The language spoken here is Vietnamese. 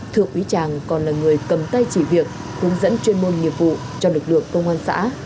thượng úy tràng còn là người cầm tay chỉ việc hướng dẫn chuyên môn nghiệp vụ cho lực lượng công an xã